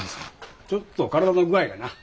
ちょっと体の具合がな。